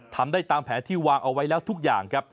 ทำได้ตามแผนที่วางเอาไว้แล้วทุกอย่างครับ